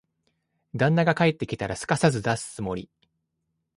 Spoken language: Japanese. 旦那が帰ってきたら、すかさず出すつもり。